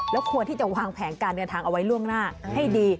แล้วควรที่จะวางแผนการเดินทางเอาไว้ล่วงหน้าให้ดี